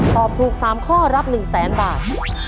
ตอบถูก๓ข้อรับ๑แสนบาท